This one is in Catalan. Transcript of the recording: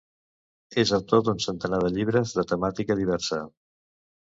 És autor d'un centenar de llibres de temàtica diversa.